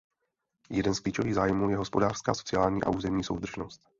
Jeden z klíčových zájmů je hospodářská, sociální a územní soudržnost.